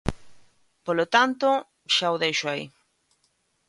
Polo tanto, xa o deixo aí.